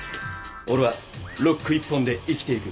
俺はロック１本で生きていく。